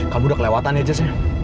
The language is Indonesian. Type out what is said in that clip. kamu udah kelewatan ya jasnya